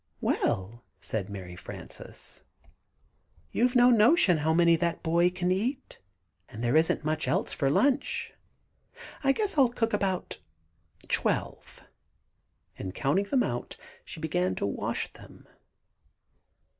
"Well," said Mary Frances, "you've no notion how many that boy can eat, and there isn't much else for lunch. I guess I'll cook about twelve," and counting them out, she began to wash them.